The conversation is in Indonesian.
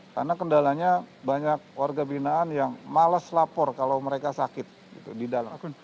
karena kendalanya banyak warga binaan yang males lapor kalau mereka sakit di dalam